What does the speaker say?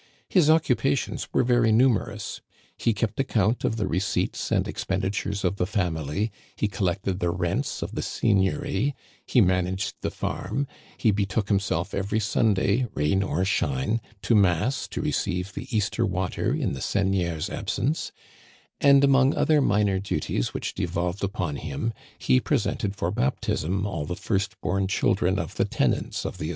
His occupations were very nu merous He kept account of the receipts and expendi tures of the family ; he collected the rents of the seig niory ; he managed the farm ; he betook himself every Sunday, rain or shine, to mass to receive the Easter wa^ ter in the seigneur's absence ; and, among other minor duties which devolved upon him, he presented for bap tism all the first bom children of the tenants of the Digitized by VjOOQIC HHABERVILLE MANOR HOUSE.